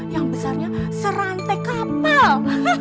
yang besarnya serantai kapal